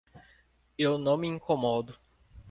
Eu não me incomodo.